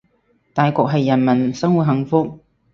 大局係人民生活幸福